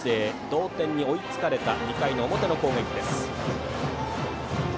同点に追いつかれた２回の表の攻撃です。